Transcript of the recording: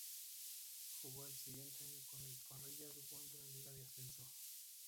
Jugó al siguiente año con el Parrillas One de la Liga de Ascenso.